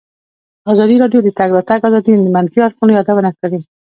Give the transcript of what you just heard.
ازادي راډیو د د تګ راتګ ازادي د منفي اړخونو یادونه کړې.